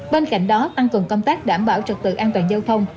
bên cạnh đó tăng cường công tác đảm bảo trực tự an toàn giao thông